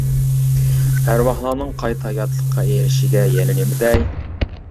ئەرۋاھلارنىڭ قايتا ھاياتلىققا ئېرىشىشىگە يەنە نېمە دەي!